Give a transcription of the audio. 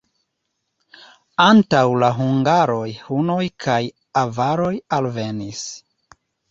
Antaŭ la hungaroj hunoj kaj avaroj alvenis.